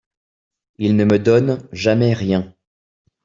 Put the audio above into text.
Il ne me donne jamais rien.